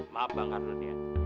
maaf bang ardun ya